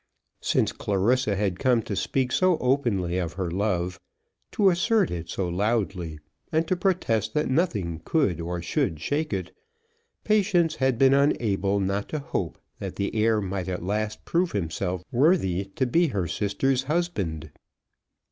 Since Clarissa had come to speak so openly of her love, to assert it so loudly, and to protest that nothing could or should shake it, Patience had been unable not to hope that the heir might at last prove himself worthy to be her sister's husband.